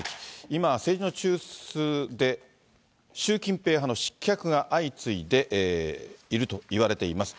今、政治の中枢で、習近平派の失脚が相次いでいるといわれています。